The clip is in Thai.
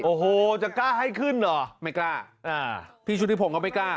โอ้โหจะกล้าให้ขึ้นเหรอไม่กล้าอ่าพี่ชุธิพงศ์ก็ไม่กล้า